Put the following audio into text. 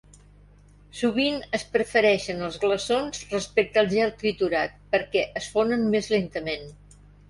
Sovint es prefereixen els glaçons respecte al gel triturat perquè es fonen més lentament.